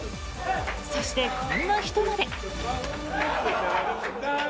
そして、こんな人まで。